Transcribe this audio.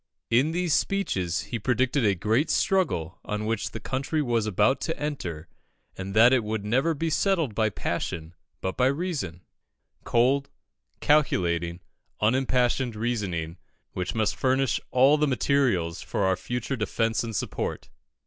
In these speeches he predicted the great struggle on which the country was about to enter, and that it would never be settled by passion but by reason "cold, calculating, unimpassioned reasoning, which must furnish all the materials for our future defence and support."